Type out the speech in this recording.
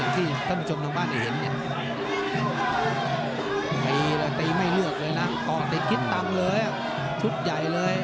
แต่อีไม่เลือกเลยนะต่อแต่คิดต่ำเลยชุดใหญ่เลย